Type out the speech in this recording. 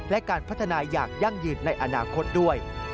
และการพัฒนาอย่างยั่งยืนในอนาคตด้วย